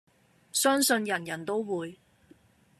相信人人都會